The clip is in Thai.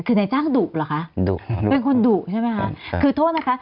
คือนายจ้างดุเหรอคะดุเป็นคนดุใช่ไหมคะคือโทษนะคะ